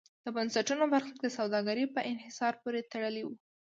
د بنسټونو برخلیک د سوداګرۍ په انحصار پورې تړلی و.